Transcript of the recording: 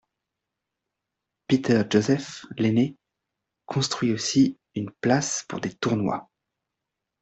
Peter Joseph Lenné construit aussi une place pour des tournois.